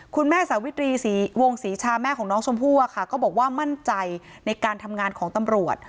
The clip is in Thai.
คุณแม่สาวิตรีวงศรีชาแม่ของน้องชมพู่อะค่ะก็บอกว่ามั่นใจในการทำงานของตำรวจ